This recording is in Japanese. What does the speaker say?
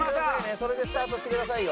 それでスタートしてくださいよ。